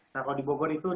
nah kalau di bogor itu